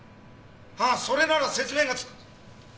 ああそれなら説明がつく。